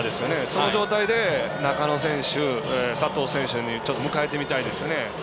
その状態で中野選手、佐藤選手に迎えてみたいですよね。